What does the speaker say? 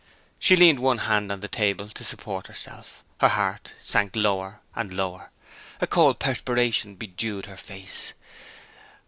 She leaned one hand on the table to support herself. Her heart sank lower and lower; a cold perspiration bedewed her face.